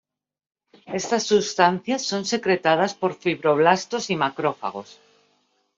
Estas sustancias son secretadas por fibroblastos y macrófagos.